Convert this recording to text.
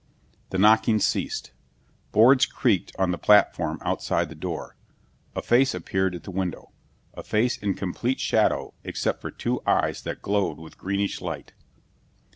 The knocking ceased. Boards creaked on the platform outside the door. A face appeared at the window, a face in complete shadow except for two eyes that glowed with greenish light.